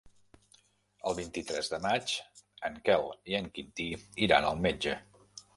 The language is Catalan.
El vint-i-tres de maig en Quel i en Quintí iran al metge.